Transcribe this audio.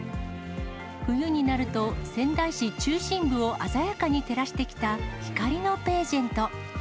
冬になると仙台市中心部を鮮やかに照らしてきた光のページェント。